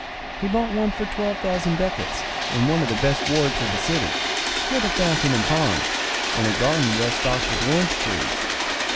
He bought one for twelve thousand ducats, in one of the best wards of the city, with a fountain and pond, and a garden well stocked with orange trees.